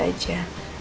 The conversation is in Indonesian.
jangan sendiri ya